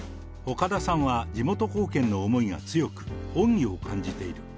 岡田さんは地元貢献の思いが強く、恩義を感じている。